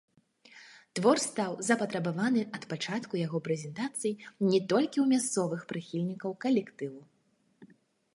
Твор стаў запатрабаваны ад пачатку яго прэзентацыі не толькі ў мясцовых прыхільнікаў калектыву.